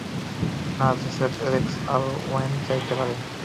না, জোসেফ অ্যালেক্সকে আরও ওয়াইন চাইতে পারে।